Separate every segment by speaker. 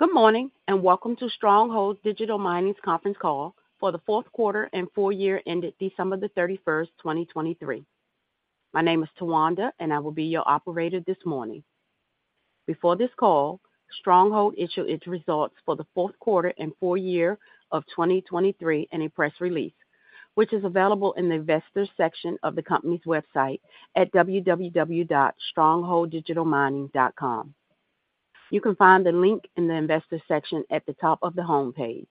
Speaker 1: Good morning, and welcome to Stronghold Digital Mining's Conference Call for the Fourth Quarter and Full Year ended December 31st, 2023. My name is Tawanda, and I will be your Operator this morning. Before this call, Stronghold issued its results for the fourth quarter and full year of 2023 in a press release, which is available in the Investors section of the company's website at www.strongholddigitalmining.com. You can find the link in the Investor section at the top of the homepage.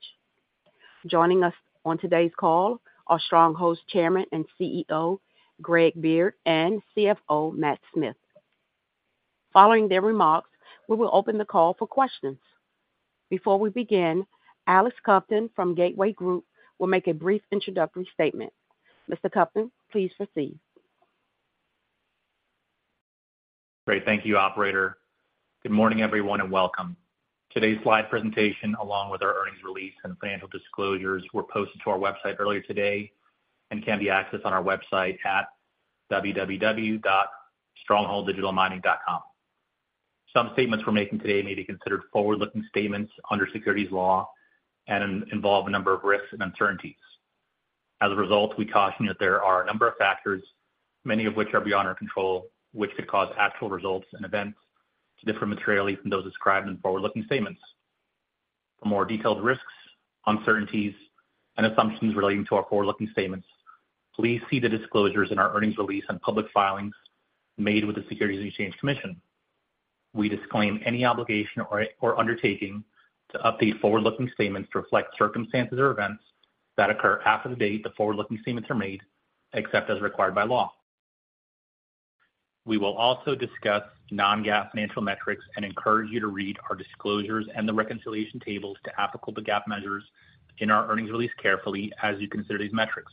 Speaker 1: Joining us on today's call are Stronghold's Chairman and CEO, Greg Beard, and CFO, Matt Smith. Following their remarks, we will open the call for questions. Before we begin, Alex Kovtun from Gateway Group will make a brief introductory statement. Mr. Kovtun, please proceed.
Speaker 2: Great. Thank you, Operator. Good morning, everyone, and welcome. Today's slide presentation, along with our earnings release and financial disclosures, were posted to our website earlier today and can be accessed on our website at www.strongholddigitalmining.com. Some statements we're making today may be considered forward-looking statements under securities law and involve a number of risks and uncertainties. As a result, we caution that there are a number of factors, many of which are beyond our control, which could cause actual results and events to differ materially from those described in forward-looking statements. For more detailed risks, uncertainties, and assumptions relating to our forward-looking statements, please see the disclosures in our earnings release and public filings made with the Securities and Exchange Commission. We disclaim any obligation or undertaking to update forward-looking statements to reflect circumstances or events that occur after the date the forward-looking statements are made, except as required by law. We will also discuss non-GAAP financial metrics and encourage you to read our disclosures and the reconciliation tables applicable to GAAP measures in our earnings release carefully as you consider these metrics.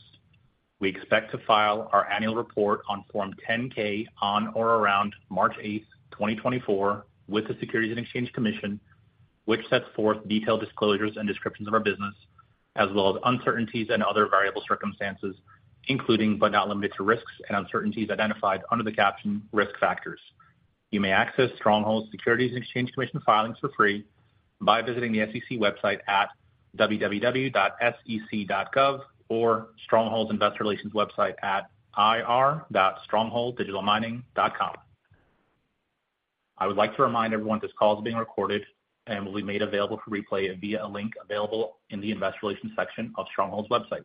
Speaker 2: We expect to file our annual report on Form 10-K on or around March 8th, 2024, with the Securities and Exchange Commission, which sets forth detailed disclosures and descriptions of our business, as well as uncertainties and other variable circumstances, including but not limited to risks and uncertainties identified under the caption Risk Factors. You may access Stronghold's Securities and Exchange Commission filings for free by visiting the SEC website at www.sec.gov or Stronghold's Investor Relations website at ir.strongholddigitalmining.com. I would like to remind everyone this call is being recorded and will be made available for replay via a link available in the Investor Relations section of Stronghold's website.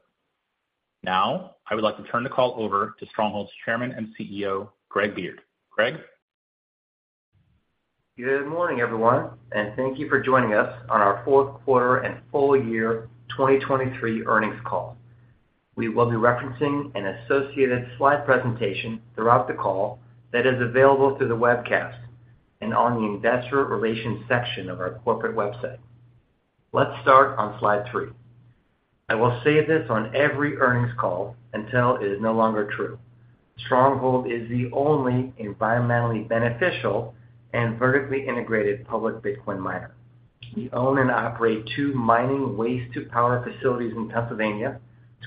Speaker 2: Now, I would like to turn the call over to Stronghold's Chairman and CEO, Greg Beard. Greg?
Speaker 3: Good morning, everyone, and thank you for joining us on our fourth quarter and full year 2023 earnings call. We will be referencing an associated slide presentation throughout the call that is available through the webcast and on the Investor Relations section of our corporate website. Let's start on slide three. I will say this on every earnings call until it is no longer true. Stronghold is the only environmentally beneficial and vertically integrated public Bitcoin miner. We own and operate two mining waste-to-power facilities in Pennsylvania,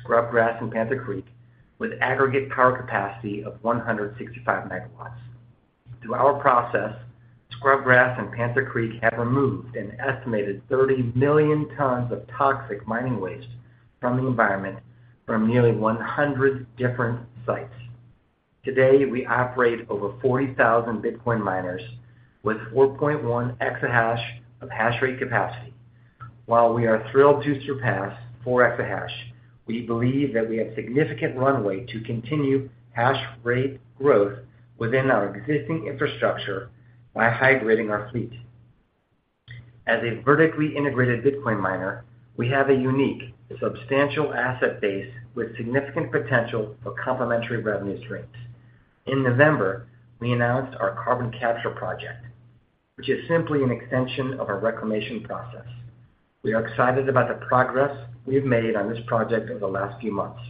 Speaker 3: Scrubgrass and Panther Creek, with aggregate power capacity of 165 MW. Through our process, Scrubgrass and Panther Creek have removed an estimated 30 million tons of toxic mining waste from the environment from nearly 100 different sites. Today, we operate over 40,000 Bitcoin miners with 4.1 exahash of hash rate capacity. While we are thrilled to surpass 4 exahash, we believe that we have significant runway to continue hash rate growth within our existing infrastructure by high-grading our fleet. As a vertically integrated Bitcoin miner, we have a unique, substantial asset base with significant potential for complementary revenue streams. In November, we announced our carbon capture project, which is simply an extension of our reclamation process. We are excited about the progress we have made on this project over the last few months.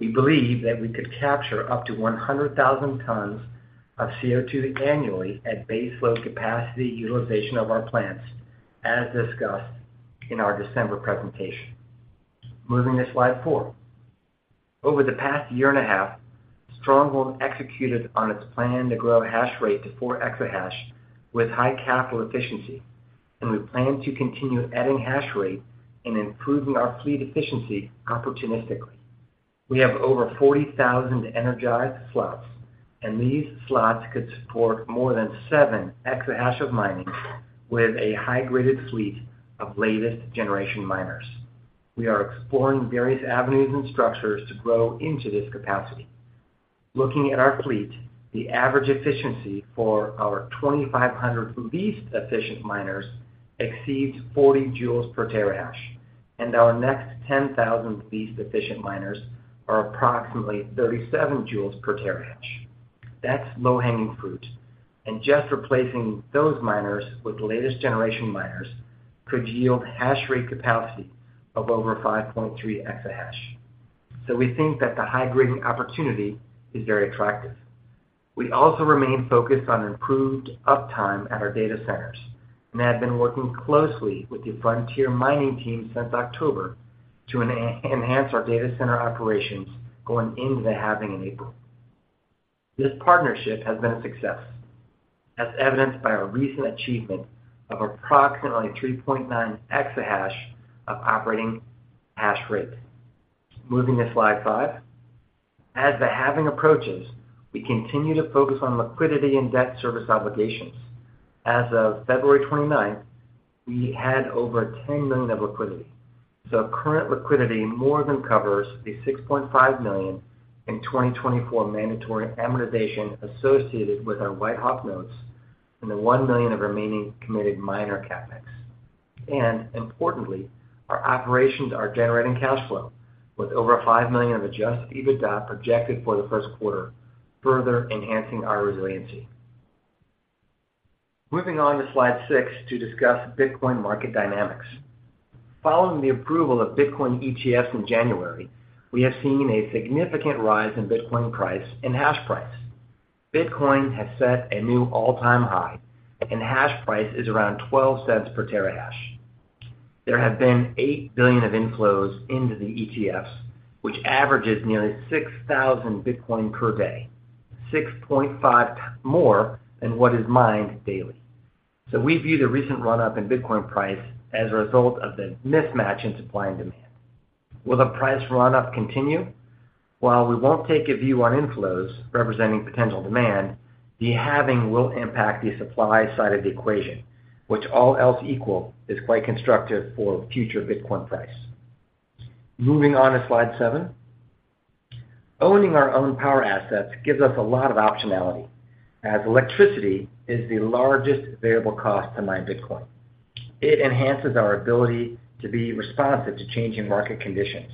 Speaker 3: We believe that we could capture up to 100,000 tons of CO2 annually at baseload capacity utilization of our plants, as discussed in our December presentation. Moving to slide four. Over the past year and a half, Stronghold executed on its plan to grow hash rate to 4 exahash with high capital efficiency, and we plan to continue adding hash rate and improving our fleet efficiency opportunistically. We have over 40,000 energized slots, and these slots could support more than 7 exahash of mining with a high-graded fleet of latest generation miners. We are exploring various avenues and structures to grow into this capacity. Looking at our fleet, the average efficiency for our 2,500 least efficient miners exceeds 40 joules per terahash, and our next 10,000 least efficient miners are approximately 37 joules per terahash. That's low-hanging fruit, and just replacing those miners with the latest generation miners could yield hash rate capacity of over 5.3 exahash. So we think that the high-grading opportunity is very attractive. We also remain focused on improved uptime at our data centers and have been working closely with the Frontier Mining team since October to enhance our data center operations going into the halving in April. This partnership has been a success, as evidenced by our recent achievement of approximately 3.9 exahash of operating hash rate. Moving to slide five. As the halving approaches, we continue to focus on liquidity and debt service obligations. As of February 29th, we had over $10 million of liquidity, so current liquidity more than covers the $65 million in 2024 mandatory amortization associated with our WhiteHawk notes and the $1 million of remaining committed minor CapEx. And importantly, our operations are generating cash flow with over $5 million of Adjusted EBITDA projected for the first quarter, further enhancing our resiliency. Moving on to slide six to discuss Bitcoin market dynamics. Following the approval of Bitcoin ETFs in January, we have seen a significant rise in Bitcoin price and Hash Price. Bitcoin has set a new all-time high, and Hash Price is around $0.12 per Terahash. There have been $8 billion of inflows into the ETFs, which averages nearly 6,000 Bitcoin per day, 6.5 more than what is mined daily. So we view the recent run-up in Bitcoin price as a result of the mismatch in supply and demand. Will the price run-up continue? While we won't take a view on inflows representing potential demand, the Halving will impact the supply side of the equation, which all else equal, is quite constructive for future Bitcoin price. Moving on to slide seven. Owning our own power assets gives us a lot of optionality, as electricity is the largest variable cost to mine Bitcoin. It enhances our ability to be responsive to changing market conditions.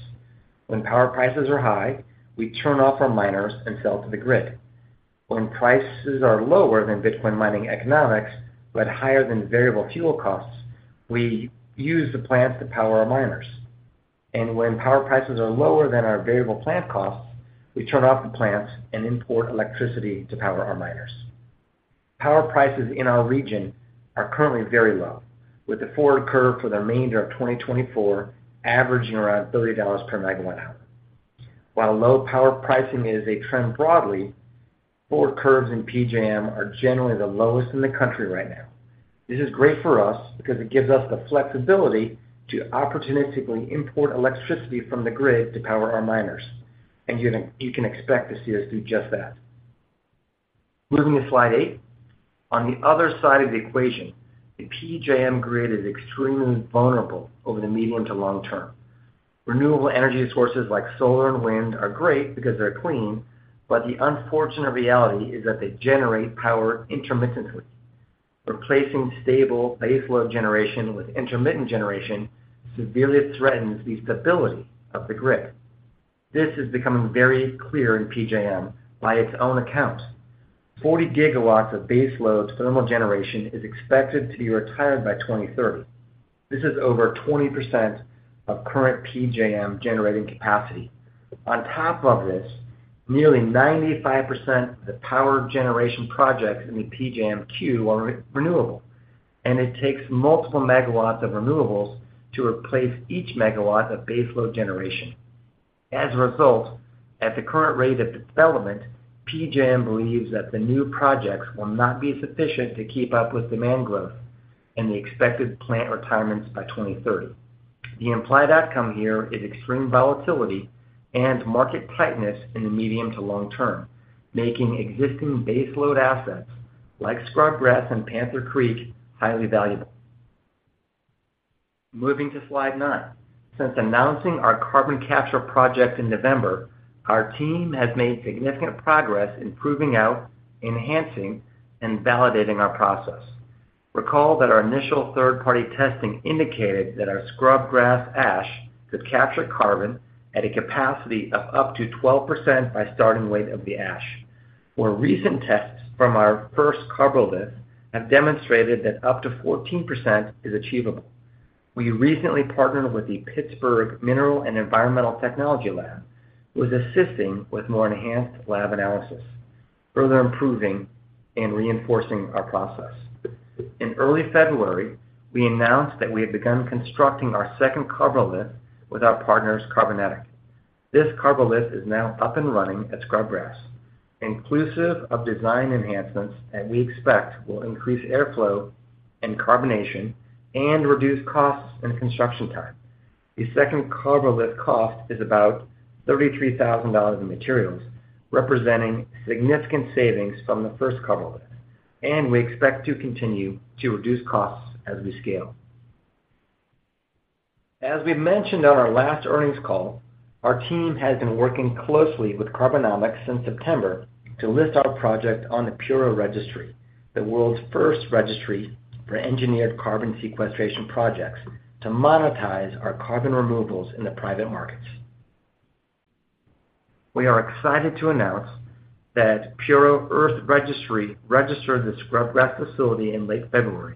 Speaker 3: When power prices are high, we turn off our miners and sell to the grid. When prices are lower than Bitcoin mining economics, but higher than variable fuel costs, we use the plants to power our miners. When power prices are lower than our variable plant costs, we turn off the plants and import electricity to power our miners. Power prices in our region are currently very low, with the forward curve for the remainder of 2024 averaging around $30 per MWh. While low power pricing is a trend broadly, forward curves in PJM are generally the lowest in the country right now. This is great for us because it gives us the flexibility to opportunistically import electricity from the grid to power our miners, and you can expect to see us do just that. Moving to slide eight. On the other side of the equation, the PJM grid is extremely vulnerable over the medium to long term. Renewable energy sources like solar and wind are great because they're clean, but the unfortunate reality is that they generate power intermittently. Replacing stable baseload generation with intermittent generation severely threatens the stability of the grid. This is becoming very clear in PJM by its own account. 40 GW of baseload thermal generation is expected to be retired by 2030. This is over 20% of current PJM generating capacity. On top of this, nearly 95% of the power generation projects in the PJM queue are renewable, and it takes multiple megawatts of renewables to replace each megawatt of baseload generation. As a result, at the current rate of development, PJM believes that the new projects will not be sufficient to keep up with demand growth and the expected plant retirements by 2030. The implied outcome here is extreme volatility and market tightness in the medium to long term, making existing baseload assets like Scrubgrass and Panther Creek highly valuable. Moving to slide nine. Since announcing our carbon capture project in November, our team has made significant progress in proving out, enhancing, and validating our process. Recall that our initial third-party testing indicated that our Scrubgrass ash could capture carbon at a capacity of up to 12% by starting weight of the ash, where recent tests from our first Karbolith have demonstrated that up to 14% is achievable. We recently partnered with the Pittsburgh Mineral & Environmental Technology Lab, who is assisting with more enhanced lab analysis, further improving and reinforcing our process. In early February, we announced that we have begun constructing our second Karbolith with our partners, Karbonetics. This Karbolith is now up and running at Scrubgrass, inclusive of design enhancements, and we expect will increase airflow and carbonation and reduce costs and construction time. The second Karbolith cost is about $33,000 in materials, representing significant savings from the first Karbolith, and we expect to continue to reduce costs as we scale. As we've mentioned on our last earnings call, our team has been working closely with Karbonetics since September to list our project on the Puro.earth Registry, the world's first registry for engineered carbon sequestration projects, to monetize our carbon removals in the private markets. We are excited to announce that Puro.earth Registry registered the Scrubgrass facility in late February,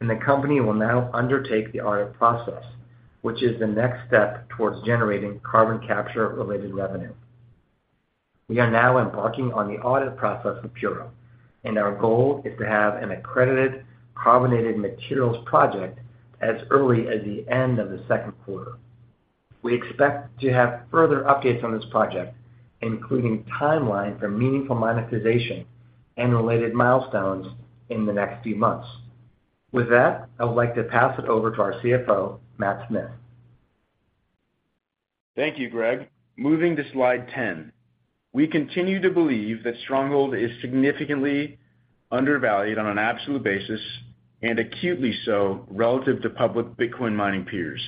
Speaker 3: and the company will now undertake the audit process, which is the next step towards generating carbon capture-related revenue. We are now embarking on the audit process with Puro.earth, and our goal is to have an accredited carbonated materials project as early as the end of the second quarter.... We expect to have further updates on this project, including timeline for meaningful monetization and related milestones in the next few months. With that, I would like to pass it over to our CFO, Matt Smith.
Speaker 4: Thank you, Greg. Moving to slide 10. We continue to believe that Stronghold is significantly undervalued on an absolute basis, and acutely so relative to public Bitcoin mining peers.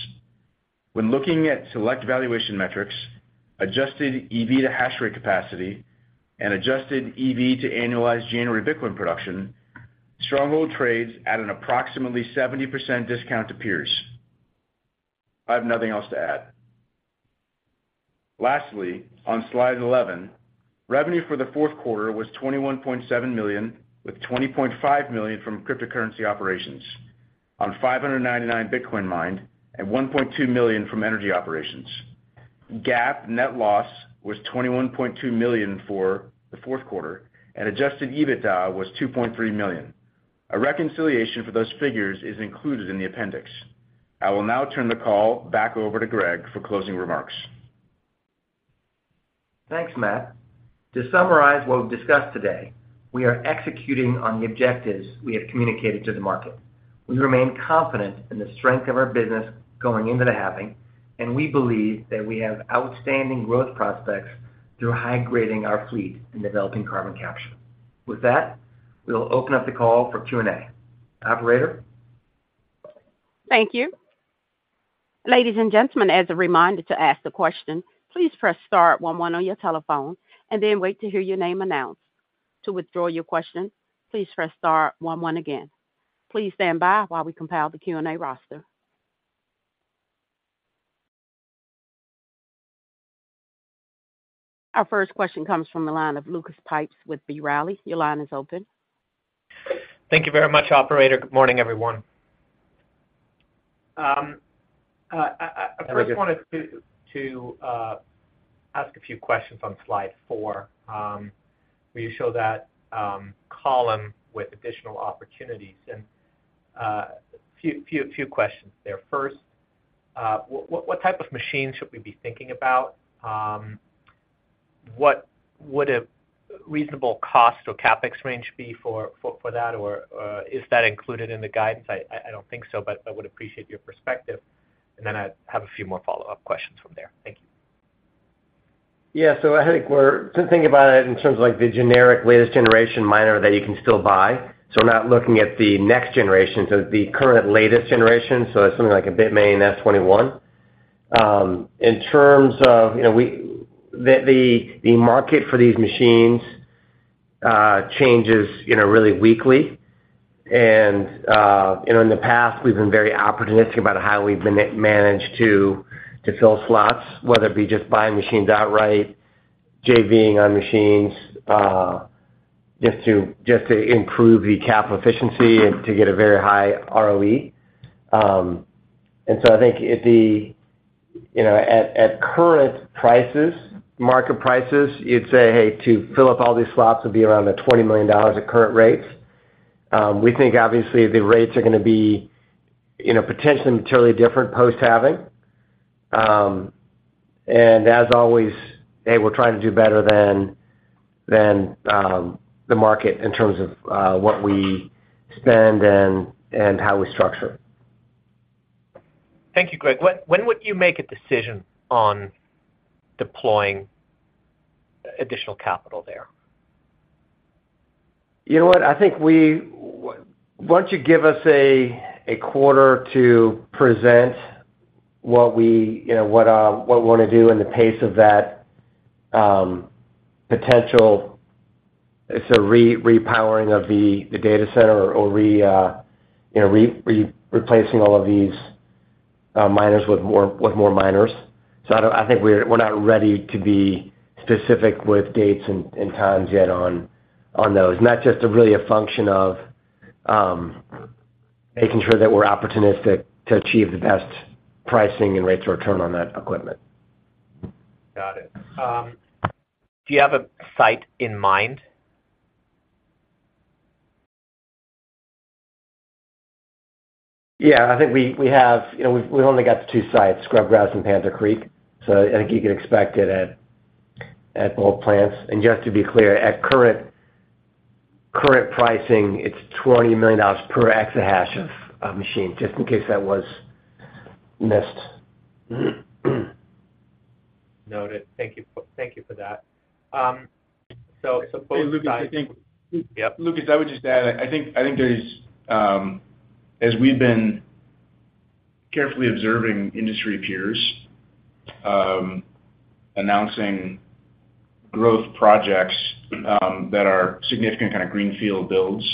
Speaker 4: When looking at select valuation metrics, adjusted EV to hash rate capacity, and adjusted EV to annualized January Bitcoin production, Stronghold trades at an approximately 70% discount to peers. I have nothing else to add. Lastly, on slide 11, revenue for the fourth quarter was $21.7 million, with $20.5 million from cryptocurrency operations on 599 Bitcoin mined and $1.2 million from energy operations. GAAP net loss was $21.2 million for the fourth quarter, and Adjusted EBITDA was $2.3 million. A reconciliation for those figures is included in the appendix. I will now turn the call back over to Greg for closing remarks.
Speaker 3: Thanks, Matt. To summarize what we've discussed today, we are executing on the objectives we have communicated to the market. We remain confident in the strength of our business going into the halving, and we believe that we have outstanding growth prospects through high-grading our fleet and developing carbon capture. With that, we'll open up the call for Q&A. Operator?
Speaker 1: Thank you. Ladies, and gentlemen, as a reminder to ask the question, please press star one one on your telephone and then wait to hear your name announced. To withdraw your question, please press star one one again. Please stand by while we compile the Q&A roster. Our first question comes from the line of Lucas Pipes with B. Riley. Your line is open.
Speaker 5: Thank you very much, operator. Good morning, everyone. I first wanted to ask a few questions on slide four, where you show that column with additional opportunities. And few questions there. First, what type of machine should we be thinking about? What would a reasonable cost or CapEx range be for that? Or, is that included in the guidance? I don't think so, but I would appreciate your perspective. And then I have a few more follow-up questions from there. Thank you.
Speaker 3: Yeah. So I think we're to think about it in terms of, like, the generic latest generation miner that you can still buy, so not looking at the next generation, so the current latest generation, so it's something like a Bitmain S21. In terms of, you know, the market for these machines changes, you know, really weekly. And, you know, in the past, we've been very opportunistic about how we've managed to fill slots, whether it be just buying machines outright, JV-ing on machines, just to improve the capital efficiency and to get a very high ROE. And so I think if the... You know, at current prices, market prices, you'd say, hey, to fill up all these slots would be around $20 million at current rates. We think obviously the rates are gonna be, you know, potentially materially different post-halving. And as always, hey, we're trying to do better than the market in terms of what we spend and how we structure.
Speaker 5: Thank you, Greg. When would you make a decision on deploying additional capital there?
Speaker 3: You know what? I think once you give us a quarter to present what we, you know, what we want to do and the pace of that potential, so repowering of the data center or, you know, replacing all of these miners with more miners. So I don't think we're not ready to be specific with dates and times yet on those. And that's just really a function of making sure that we're opportunistic to achieve the best pricing and rates of return on that equipment.
Speaker 5: Got it. Do you have a site in mind?
Speaker 3: Yeah, I think we have... You know, we've only got the two sites, Scrubgrass and Panther Creek, so I think you can expect it at both plants. And just to be clear, at current pricing, it's $20 million per exahash of machine, just in case that was missed.
Speaker 5: Noted. Thank you for, thank you for that. So suppose-
Speaker 4: Hey, Lucas, I think-
Speaker 5: Yep.
Speaker 4: Lucas, I would just add, I think there's, as we've been carefully observing industry peers, announcing growth projects, that are significant kind of greenfield builds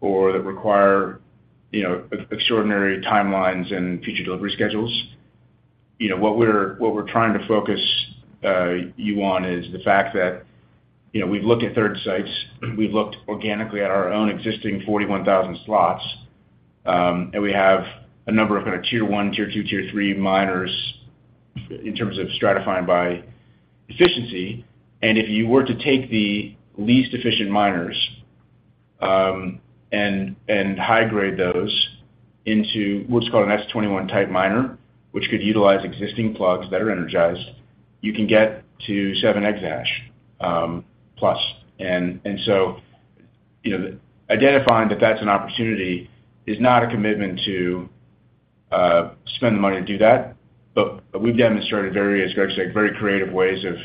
Speaker 4: or that require, you know, extraordinary timelines and future delivery schedules, you know, what we're trying to focus you on is the fact that, you know, we've looked at third sites, we've looked organically at our own existing 41,000 slots, and we have a number of kind of tier one, tier two, tier three miners in terms of stratifying by efficiency. And if you were to take the least efficient miners-... and high-grade those into what's called an S21 type miner, which could utilize existing plugs that are energized. You can get to 7 exahash+. So, you know, identifying that that's an opportunity is not a commitment to spend the money to do that. But we've demonstrated very, as Greg said, very creative ways of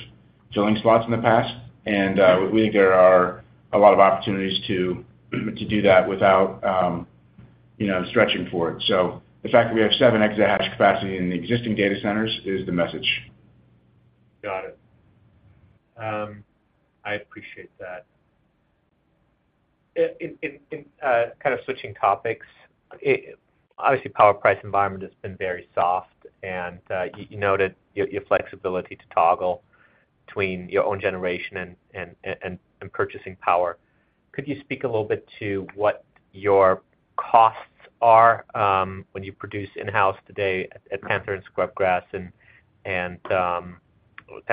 Speaker 4: filling slots in the past, and we think there are a lot of opportunities to do that without, you know, stretching for it. So the fact that we have 7 exahash capacity in the existing data centers is the message.
Speaker 5: Got it. I appreciate that. In kind of switching topics, obviously, power price environment has been very soft, and you noted your flexibility to toggle between your own generation and purchasing power. Could you speak a little bit to what your costs are, when you produce in-house today at Panther and Scrubgrass, and kind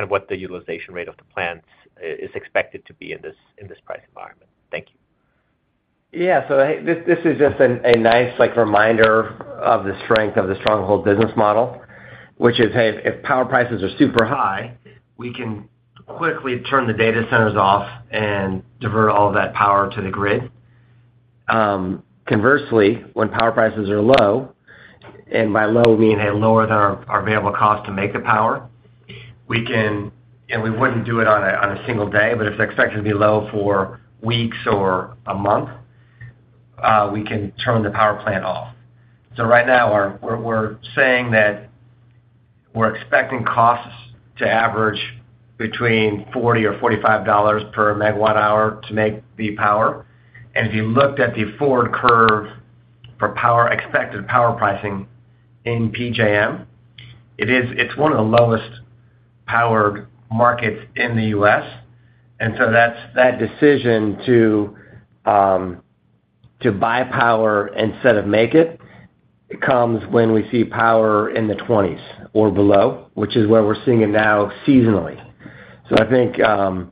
Speaker 5: of what the utilization rate of the plants is expected to be in this price environment? Thank you.
Speaker 3: Yeah. So this is just a nice, like, reminder of the strength of the Stronghold business model, which is, hey, if power prices are super high, we can quickly turn the data centers off and divert all of that power to the grid. Conversely, when power prices are low, and by low, meaning lower than our available cost to make the power, we can... And we wouldn't do it on a single day, but if they're expected to be low for weeks or a month, we can turn the power plant off. So right now, we're saying that we're expecting costs to average between $40 or $45 per MWh to make the power. If you looked at the forward curve for power expected power pricing in PJM, it is, it's one of the lowest-powered markets in the U.S. And so that's, that decision to buy power instead of make it, it comes when we see power in the 20s or below, which is where we're seeing it now seasonally. So I think I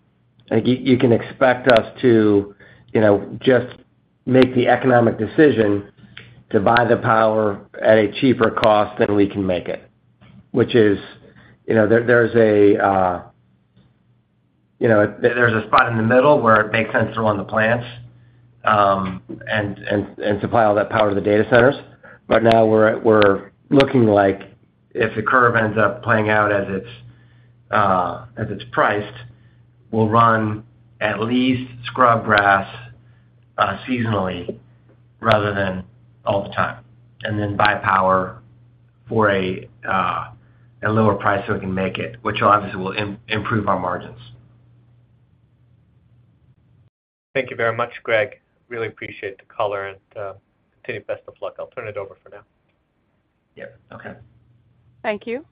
Speaker 3: think you can expect us to, you know, just make the economic decision to buy the power at a cheaper cost than we can make it, which is, you know, there, there's a you know, there, there's a spot in the middle where it makes sense to run the plants and supply all that power to the data centers. But now we're looking like if the curve ends up playing out as it's, as it's priced, we'll run at least Scrubgrass seasonally rather than all the time, and then buy power for a lower price so we can make it, which obviously will improve our margins.
Speaker 5: Thank you very much, Greg. Really appreciate the color and continue. Best of luck. I'll turn it over for now.
Speaker 3: Yep. Okay.
Speaker 1: Thank you.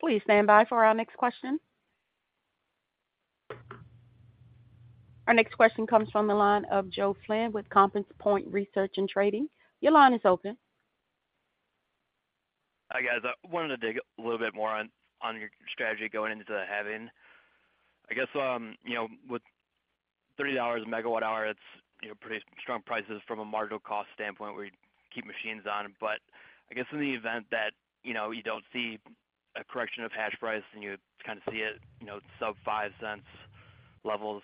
Speaker 1: Please stand by for our next question. Our next question comes from the line of Joe Flynn with Compass Point Research & Trading. Your line is open.
Speaker 6: Hi, guys. I wanted to dig a little bit more on your strategy going into the halving. I guess, you know, with $30 a MWh, it's, you know, pretty strong prices from a marginal cost standpoint where you keep machines on. But I guess in the event that, you know, you don't see a correction of hash price, and you kind of see it, you know, sub-$0.05 levels,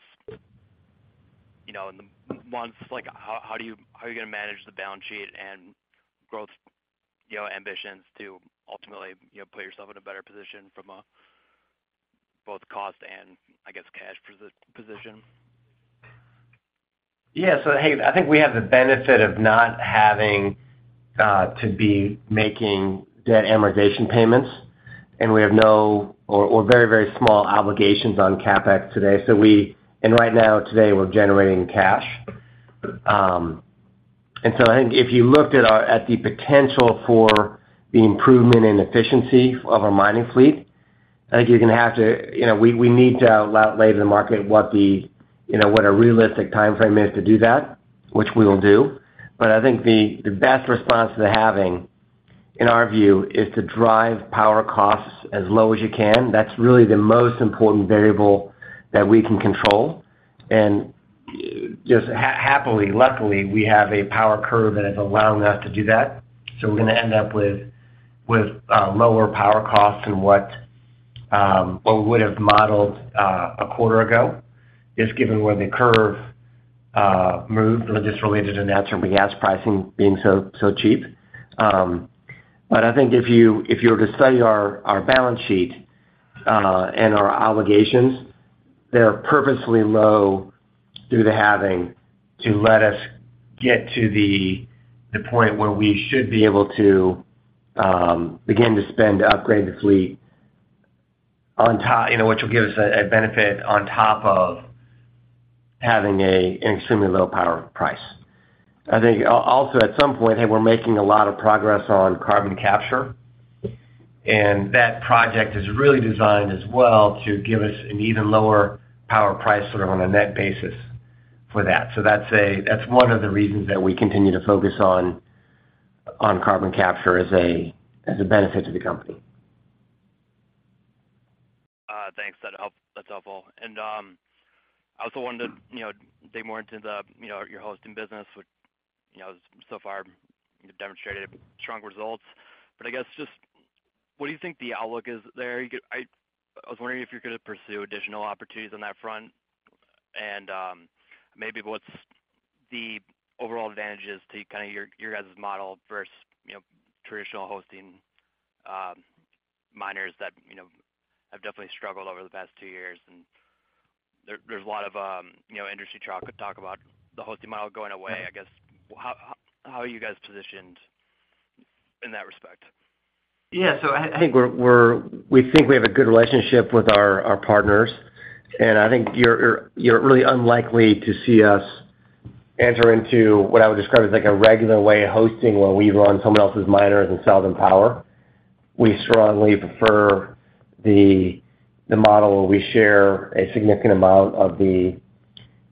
Speaker 6: you know, in the months, like, how are you going to manage the balance sheet and growth, you know, ambitions to ultimately, you know, put yourself in a better position from a both cost and, I guess, cash position?
Speaker 3: Yeah. So, hey, I think we have the benefit of not having to be making debt amortization payments, and we have no or very, very small obligations on CapEx today. So and right now, today, we're generating cash. And so I think if you looked at the potential for the improvement in efficiency of our mining fleet, I think you're going to have to... You know, we, we need to outlay the market what the, you know, what a realistic timeframe is to do that, which we will do. But I think the best response to the halving, in our view, is to drive power costs as low as you can. That's really the most important variable that we can control. And just happily, luckily, we have a power curve that has allowed us to do that. So we're going to end up with lower power costs than what we would have modeled a quarter ago, just given where the curve moved, just related to natural gas pricing being so cheap. But I think if you were to study our balance sheet and our obligations, they're purposely low through the halving to let us get to the point where we should be able to begin to spend to upgrade the fleet on top, you know, which will give us a benefit on top of having an extremely low power price. I think also, at some point, hey, we're making a lot of progress on carbon capture, and that project is really designed as well to give us an even lower power price, sort of on a net basis for that. So that's one of the reasons that we continue to focus on carbon capture as a benefit to the company.
Speaker 6: Thanks. That help, that's helpful. And, I also wanted to, you know, dig more into the, you know, your hosting business, which, you know, so far demonstrated strong results. But I guess just what do you think the outlook is there? I was wondering if you're gonna pursue additional opportunities on that front, and, maybe what's the overall advantages to kinda your, your guys' model versus, you know, traditional hosting miners that, you know, have definitely struggled over the past two years. And there, there's a lot of, you know, industry talk, talk about the hosting model going away. I guess, how, how, how are you guys positioned in that respect?
Speaker 3: Yeah. So I think we're we think we have a good relationship with our partners, and I think you're really unlikely to see us enter into what I would describe as, like, a regular way of hosting, where we run someone else's miners and sell them power. We strongly prefer the model where we share a significant amount of the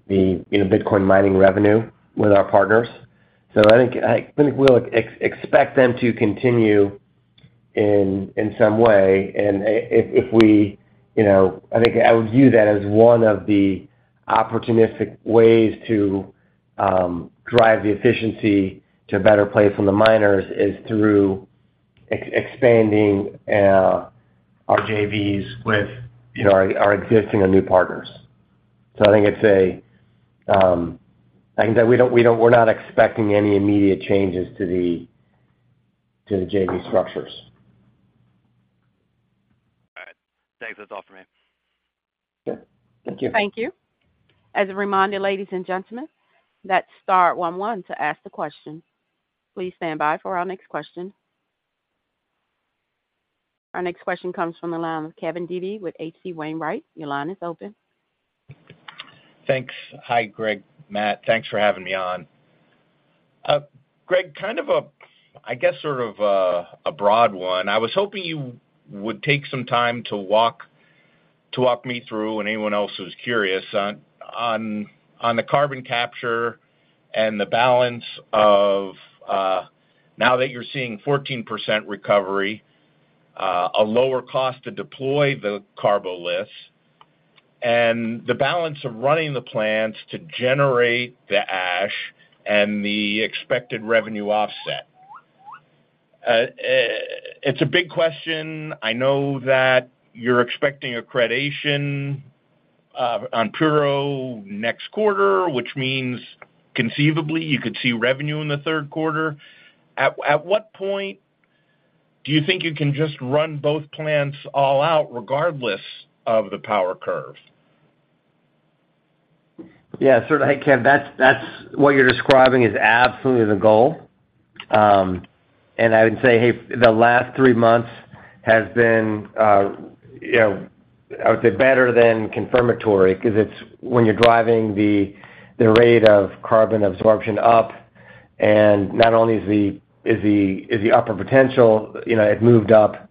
Speaker 3: you know, Bitcoin mining revenue with our partners. So I think we'll expect them to continue in some way. And if we you know, I think I would view that as one of the opportunistic ways to drive the efficiency to a better place from the miners, is through expanding our JVs with you know, our existing and new partners. So I think it's a... I can say we don't-- we're not expecting any immediate changes to the JV structures.
Speaker 6: All right. Thanks. That's all for me.
Speaker 3: Okay. Thank you.
Speaker 1: Thank you. As a reminder, ladies, and gentlemen, that's star one one to ask the question. Please stand by for our next question. Our next question comes from the line of Kevin Dede with H.C. Wainwright. Your line is open.
Speaker 7: Thanks. Hi, Greg, Matt. Thanks for having me on. Greg, kind of a, I guess, sort of a broad one. I was hoping you would take some time to walk me through, and anyone else who's curious on the carbon capture and the balance of, now that you're seeing 14% recovery, a lower cost to deploy the Karboliths and the balance of running the plants to generate the ash and the expected revenue offset. It's a big question. I know that you're expecting accreditation on Puro next quarter, which means conceivably you could see revenue in the third quarter. At what point do you think you can just run both plants all out, regardless of the power curve?
Speaker 3: Yeah, certainly. Hey, Kevin, that's, that's what you're describing is absolutely the goal. And I would say, hey, the last three months has been, you know, I would say, better than confirmatory, because it's when you're driving the rate of carbon absorption up, and not only is the upper potential, you know, it moved up,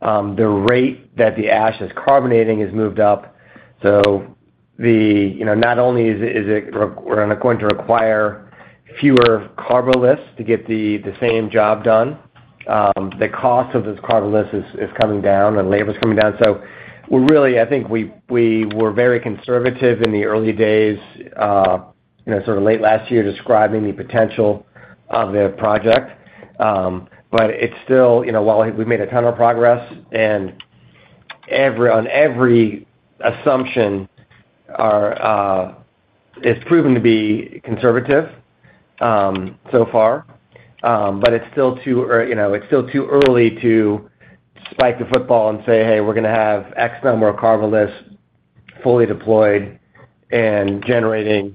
Speaker 3: the rate that the ash is carbonating has moved up. So the... You know, not only is it, we're going to require fewer Karboliths to get the same job done, the cost of this Karbolith is coming down and labor is coming down. So we're really, I think we, we were very conservative in the early days, you know, sort of late last year, describing the potential of the project. But it's still, you know, while we've made a ton of progress and on every assumption, it's proven to be conservative, so far. But it's still too early, you know, to spike the football and say, "Hey, we're gonna have X number of Karboliths fully deployed and generating,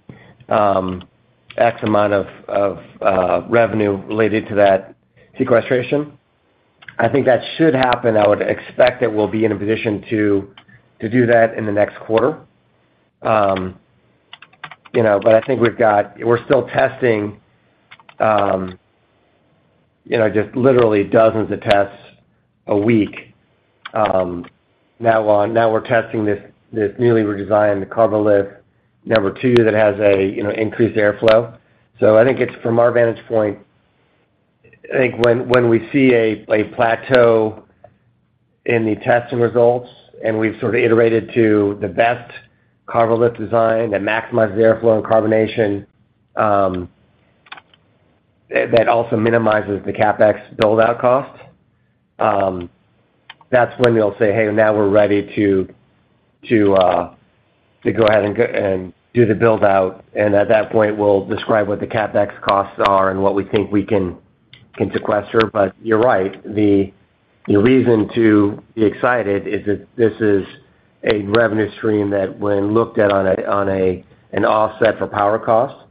Speaker 3: X amount of revenue related to that sequestration." I think that should happen. I would expect that we'll be in a position to do that in the next quarter. But I think we've got we're still testing, you know, just literally dozens of tests a week. Now we're testing this newly redesigned Karbolith number two, that has a, you know, increased airflow. So I think it's from our vantage point, I think when we see a plateau in the testing results, and we've sort of iterated to the best Karbolith design that maximizes the airflow and carbonation, that also minimizes the CapEx buildout cost, that's when we'll say, "Hey, now we're ready to go ahead and go and do the build-out." And at that point, we'll describe what the CapEx costs are and what we think we can sequester. But you're right. The reason to be excited is that this is a revenue stream that, when looked at on an offset for power costs,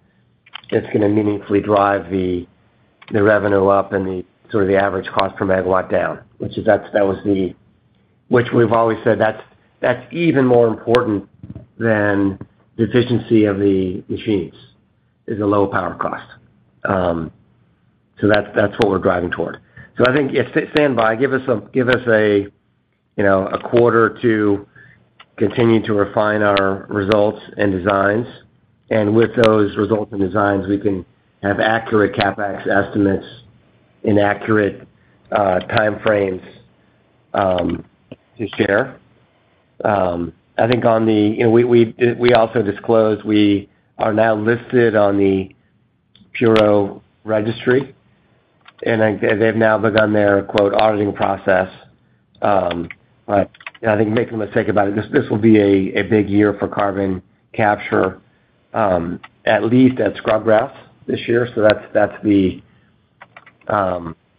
Speaker 3: it's gonna meaningfully drive the revenue up and the sort of the average cost per megawatt down. Which is that's, that was the... Which we've always said, that's even more important than the efficiency of the machines, is a low power cost. So that's what we're driving toward. So I think stand by, give us a, you know, a quarter to continue to refine our results and designs, and with those results and designs, we can have accurate CapEx estimates, inaccurate time frames to share. I think and we also disclosed we are now listed on the Puro Registry, and they've now begun their quote, auditing process. But you know, I think make no mistake about it, this will be a big year for carbon capture, at least at Scrubgrass this year. So that's the.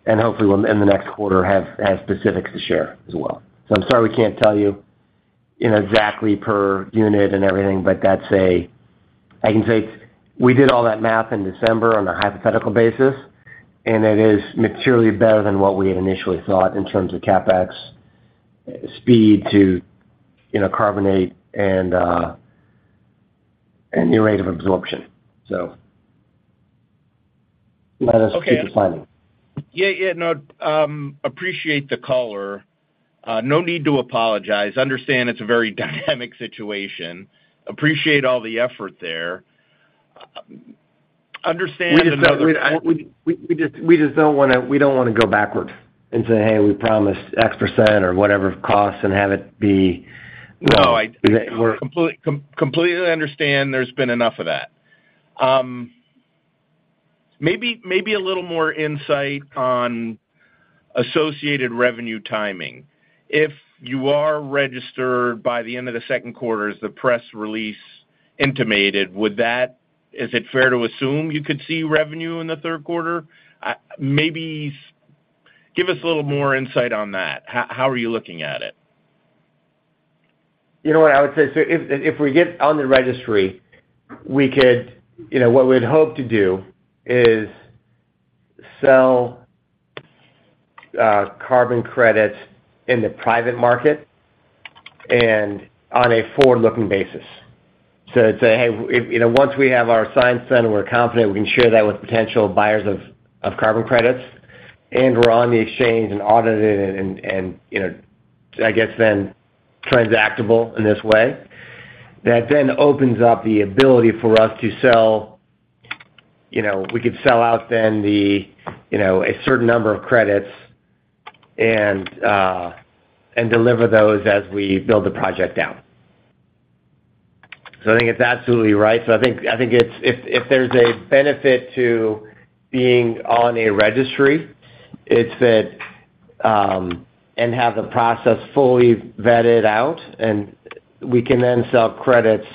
Speaker 3: And hopefully, we'll in the next quarter have specifics to share as well. I'm sorry, we can't tell you, you know, exactly per unit and everything, but that's a—I can say we did all that math in December on a hypothetical basis, and it is materially better than what we had initially thought in terms of CapEx speed to, you know, Karbolith and the rate of absorption. So-
Speaker 7: Okay.
Speaker 3: Keep it signing.
Speaker 7: Yeah, yeah. No, appreciate the caller. No need to apologize. Understand it's a very dynamic situation. Appreciate all the effort there. Understand-
Speaker 3: We just don't wanna go backwards and say, "Hey, we promised X% or whatever costs," and have it be-
Speaker 7: No, I-
Speaker 3: We're-...
Speaker 7: completely understand there's been enough of that. Maybe a little more insight on associated revenue timing. If you are registered by the end of the second quarter, as the press release intimated, is it fair to assume you could see revenue in the third quarter? Maybe give us a little more insight on that. How are you looking at it?
Speaker 3: You know what? I would say so if, if we get on the registry, we could. You know, what we'd hope to do is sell carbon credits in the private market and on a forward-looking basis. So to say, "Hey, if, you know, once we have our science center, we're confident we can share that with potential buyers of carbon credits, and we're on the exchange and audited and, you know, I guess then transactable in this way," that then opens up the ability for us to sell. You know, we could sell out then the, you know, a certain number of credits and deliver those as we build the project down. So I think it's absolutely right. So I think, I think it's if there's a benefit to being on a registry, it's that, and have the process fully vetted out, and we can then sell credits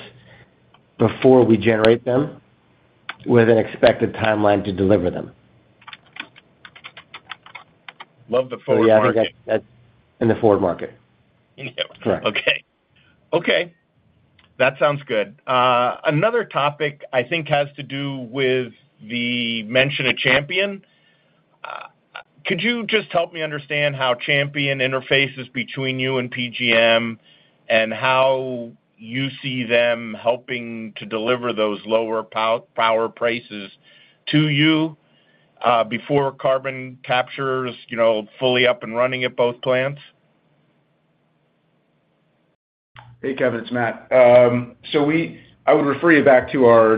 Speaker 3: before we generate them with an expected timeline to deliver them.
Speaker 7: Love the forward market.
Speaker 3: In the forward market.
Speaker 7: Yeah.
Speaker 3: Correct.
Speaker 7: Okay. Okay, that sounds good. Another topic I think has to do with the mention of Champion. Could you just help me understand how Champion interfaces between you and PJM, and how you see them helping to deliver those lower power prices to you, before carbon capture is, you know, fully up and running at both plants?
Speaker 4: Hey, Kevin, it's Matt. So we—I would refer you back to our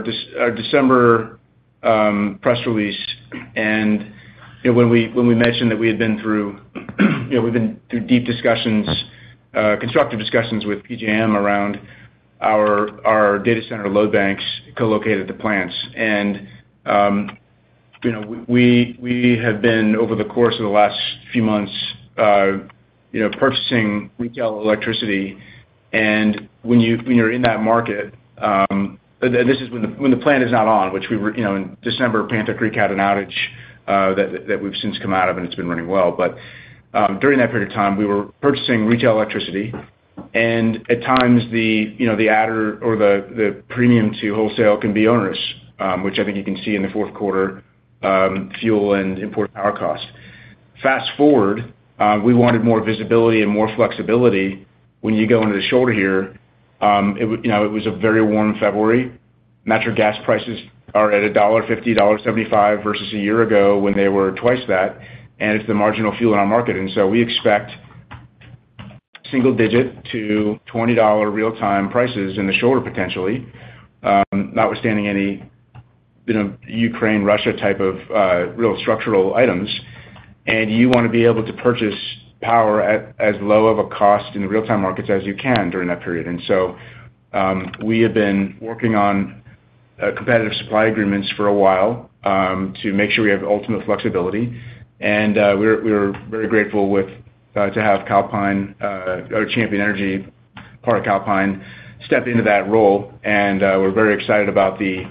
Speaker 4: December press release, and, you know, when we, when we mentioned that we had been through, you know, we've been through deep discussions, constructive discussions with PJM around our data center load banks co-located the plants. And, you know, we, we, we have been, over the course of the last few months, you know, purchasing retail electricity. And when you, when you're in that market, and, and this is when the, when the plant is not on, which we were. You know, in December, Panther Creek had an outage that we've since come out of, and it's been running well. But during that period of time, we were purchasing retail electricity, and at times the, you know, the adder or the, the premium to wholesale can be onerous, which I think you can see in the fourth quarter, fuel and import power cost. Fast forward, we wanted more visibility and more flexibility when you go into the shoulder here. You know, it was a very warm February. Natural gas prices are at $1.50, $1.75 versus a year ago when they were twice that, and it's the marginal fuel in our market. And so we expect single-digit to $20 real-time prices in the shorter potentially, notwithstanding any, you know, Ukraine, Russia type of, real structural items. And you wanna be able to purchase power at as low of a cost in the real-time markets as you can during that period. We have been working on competitive supply agreements for a while to make sure we have ultimate flexibility. We were very grateful to have Calpine or Champion Energy, part of Calpine, step into that role. We're very excited about the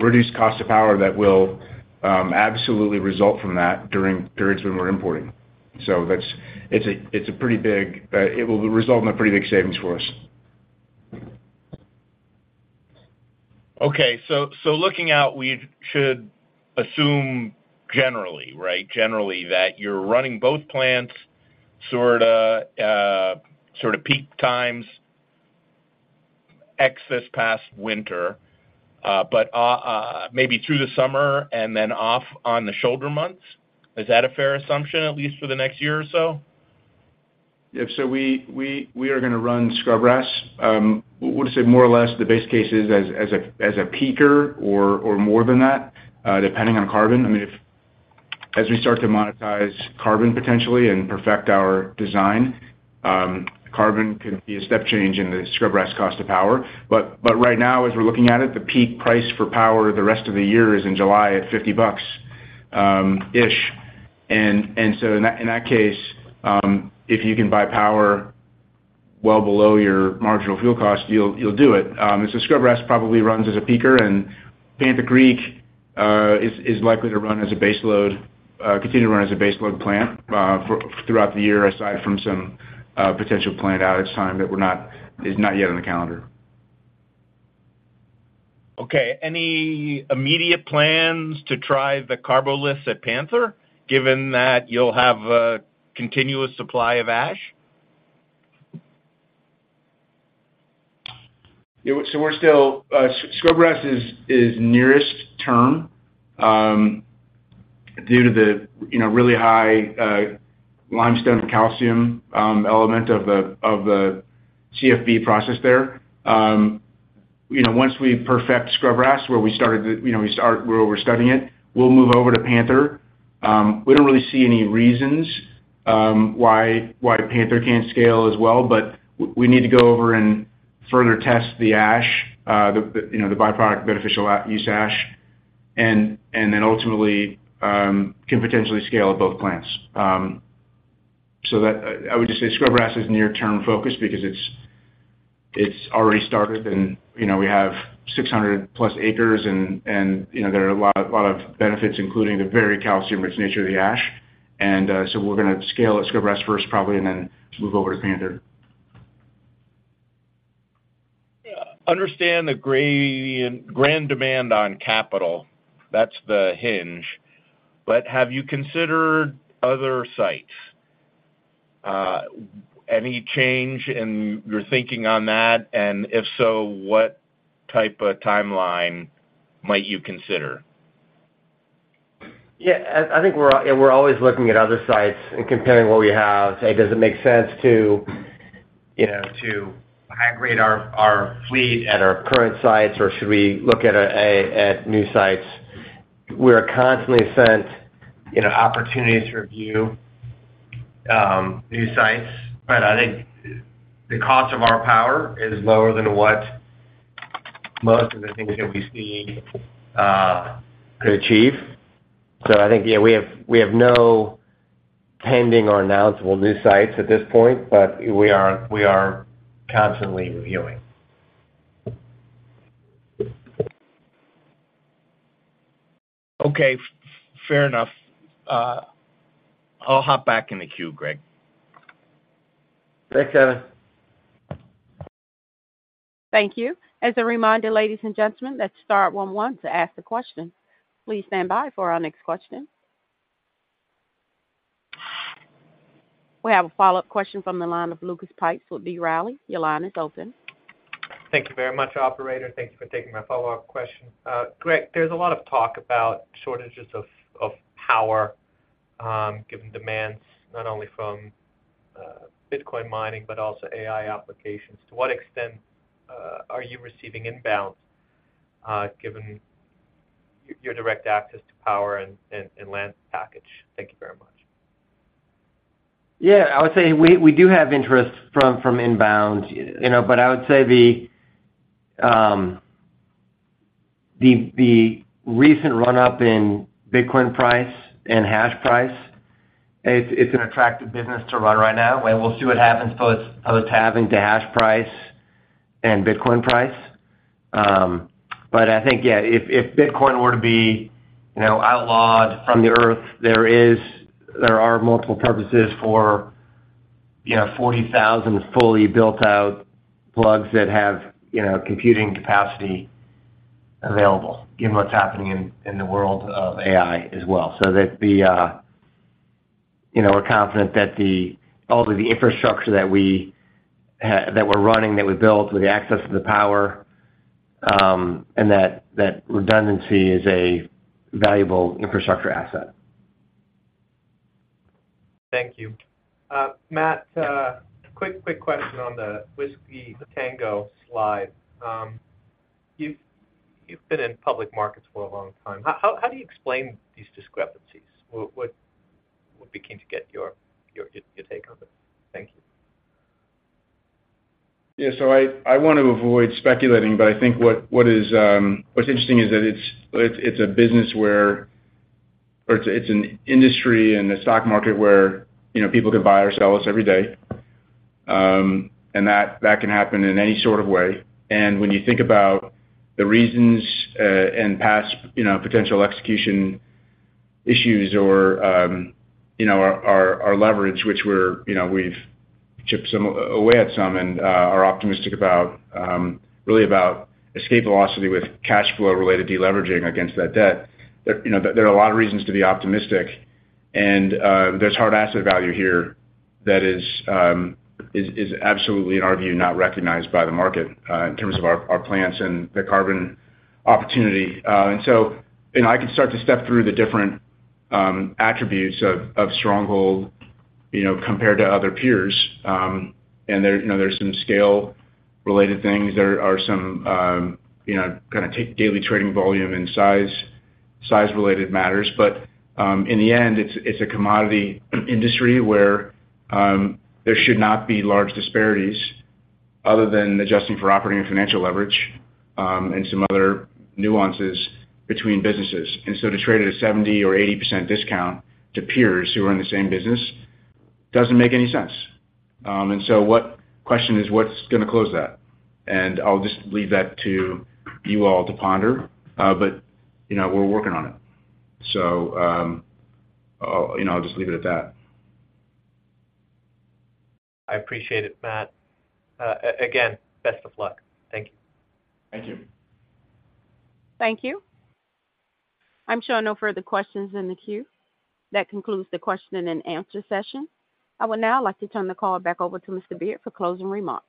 Speaker 4: reduced cost of power that will absolutely result from that during periods when we're importing. That's it. It's a pretty big. It will result in a pretty big savings for us.
Speaker 7: Okay. So looking out, we should assume generally, right, generally, that you're running both plants, sorta, sort of peak times, except this past winter, but maybe through the summer and then off on the shoulder months. Is that a fair assumption, at least for the next year or so?...
Speaker 4: Yep, so we are gonna run Scrubgrass. Would you say more or less the base case is as a peaker or more than that, depending on carbon? I mean, if as we start to monetize carbon potentially and perfect our design, carbon could be a step change in the Scrubgrass cost of power. But right now, as we're looking at it, the peak price for power the rest of the year is in July at $50-ish. And so in that case, if you can buy power well below your marginal fuel cost, you'll do it. And so Scrubgrass probably runs as a peaker, and Panther Creek is likely to run as a base load, continue to run as a base load plant throughout the year, aside from some potential planned outage time that is not yet on the calendar.
Speaker 7: Okay. Any immediate plans to try the Karbolith at Panther, given that you'll have a continuous supply of ash?
Speaker 4: Yeah, so we're still... Scrubgrass is nearest term due to the, you know, really high limestone calcium element of the CFB process there. You know, once we perfect Scrubgrass, where we started... You know, we start where we're studying it, we'll move over to Panther. We don't really see any reasons why the Panther can't scale as well, but we need to go over and further test the ash, the you know the byproduct, beneficial use ash, and then ultimately can potentially scale at both plants. So that I would just say Scrubgrass is near-term focus because it's already started and, you know, we have 600+ acres and, you know, there are a lot of benefits, including the very calcium-rich nature of the ash. And so we're gonna scale at Scrubgrass first, probably, and then move over to Panther.
Speaker 7: Understand the grand demand on capital, that's the hinge, but have you considered other sites? Any change in your thinking on that, and if so, what type of timeline might you consider?
Speaker 3: Yeah, I think we're always looking at other sites and comparing what we have. Say, does it make sense to, you know, to high-grade our fleet at our current sites, or should we look at a, at new sites? We are constantly sent, you know, opportunities to review new sites. But I think the cost of our power is lower than what most of the things that we see could achieve. So I think, yeah, we have no pending or announceable new sites at this point, but we are constantly reviewing.
Speaker 7: Okay, fair enough. I'll hop back in the queue, Greg.
Speaker 3: Thanks, Kevin.
Speaker 1: Thank you. As a reminder, ladies, and gentlemen, let's star one one to ask the question. Please stand by for our next question. We have a follow-up question from the line of Lucas Pipes with B. Riley. Your line is open.
Speaker 5: Thank you very much, operator. Thank you for taking my follow-up question. Greg, there's a lot of talk about shortages of power, given demands not only from Bitcoin mining, but also AI applications. To what extent are you receiving inbounds, given your direct access to power and land package? Thank you very much.
Speaker 3: Yeah, I would say we do have interest from inbound, you know, but I would say the recent run-up in Bitcoin price and hash price, it's an attractive business to run right now, and we'll see what happens post-halving to hash price and Bitcoin price. But I think, yeah, if Bitcoin were to be, you know, outlawed from the Earth, there are multiple purposes for, you know, 40,000 fully built-out plugs that have, you know, computing capacity available, given what's happening in the world of AI as well. So, you know, we're confident that all of the infrastructure that we're running, that we built with the access to the power, and that redundancy is a valuable infrastructure asset.
Speaker 5: Thank you. Matt, quick question on the Whiskey Tango slide. You've been in public markets for a long time. How do you explain these discrepancies? What we came to get your take on this. Thank you.
Speaker 4: Yeah, so I want to avoid speculating, but I think what is what's interesting is that it's a business where... Or it's an industry and a stock market where, you know, people can buy or sell us every day, and that can happen in any sort of way. And when you think about the reasons and past, you know, potential execution issues or, you know, our leverage, which we're, you know, we've chipped some away at some and are optimistic about, really about escape velocity with cash flow-related deleveraging against that debt. There you know, there are a lot of reasons to be optimistic, and there's hard asset value here that is absolutely, in our view, not recognized by the market in terms of our plans and the carbon opportunity. And so, you know, I could start to step through the different attributes of Stronghold, you know, compared to other peers. And there, you know, there's some scale-related things. There are some, you know, kinda take daily trading volume and size, size-related matters. But in the end, it's a commodity industry where there should not be large disparities other than adjusting for operating and financial leverage and some other nuances between businesses. And so to trade at a 70% or 80% discount to peers who are in the same business doesn't make any sense. And so what... Question is, what's gonna close that? And I'll just leave that to you all to ponder, but, you know, we're working on it. So I'll, you know, I'll just leave it at that.
Speaker 5: I appreciate it, Matt. Again, best of luck. Thank you.
Speaker 4: Thank you.
Speaker 1: Thank you. I'm showing no further questions in the queue. That concludes the question-and-answer session. I would now like to turn the call back over to Mr. Beard for closing remarks.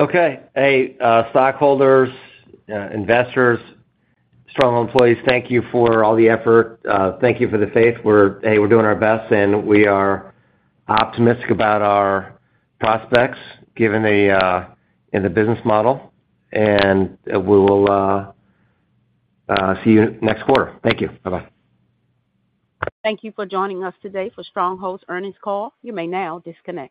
Speaker 3: Okay. Hey, stockholders, investors, Stronghold employees, thank you for all the effort. Thank you for the faith. We're, hey, we're doing our best, and we are optimistic about our prospects, given the and the business model. We will see you next quarter. Thank you. Bye-bye.
Speaker 1: Thank you for joining us today for Stronghold's earnings call. You may now disconnect.